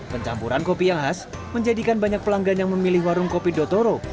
pencampuran kopi yang khas menjadikan banyak pelanggan yang memilih warung kopi dotoro